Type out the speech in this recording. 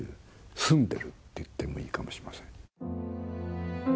住んでるって言ってもいいかもしれません。